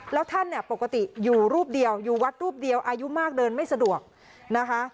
แล้วท่านเนี่ยปกติอยู่รูปเดียวอยู่วัดรูปเดียวอายุมากเดินไม่สะดวกนะคะ